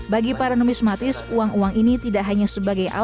bagi para nomismatis uang uang ini tidak hanya sebagai alat